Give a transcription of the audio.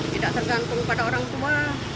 tidak tergantung pada orang tua